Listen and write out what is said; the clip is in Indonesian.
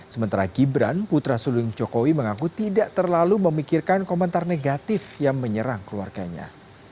sementara gibran putra sulung jokowi mengaku tidak terlalu memikirkan komentar negatif yang menyerang keluarganya